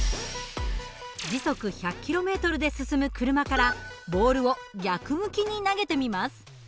時速１００ｋｍで進む車からボールを逆向きに投げてみます。